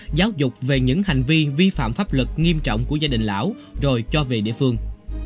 đoàn văn chức đã phân tích giáo dục về những hành vi vi phạm pháp luật nghiêm trọng của gia đình lão rồi cho về địa phương